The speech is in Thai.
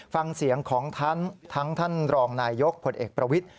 ฟังเสียงของทั้งท่านรองนายยกผลเอกประวิทธิ